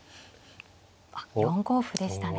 あっ４五歩でしたね。